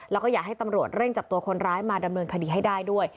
แล้วก็อยากให้ตำรวจเร่งจับตัวคนร้ายมาดำเนินคดีให้ได้ด้วย